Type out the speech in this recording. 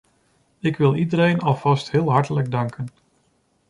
Ik wil iedereen alvast heel hartelijk danken.